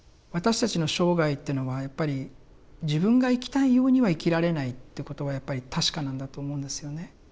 私たちの生涯というのはやっぱり自分が生きたいようには生きられないっていうことはやっぱり確かなんだと思うんですよね。